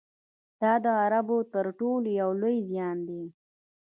دا د غرور تر ټولو یو لوی زیان دی